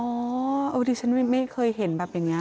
อ๋อวันนี้ฉันไม่เคยเห็นแบบอย่างนี้